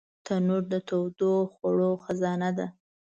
تنور د تودو خوړو خزانه ده